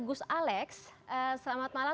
gus alex selamat malam